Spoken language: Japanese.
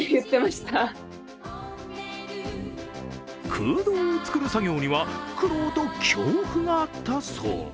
空洞を作る作業には苦労と恐怖があったそう。